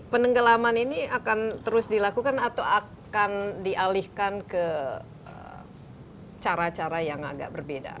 penenggelaman ini akan terus dilakukan atau akan dialihkan ke cara cara yang agak berbeda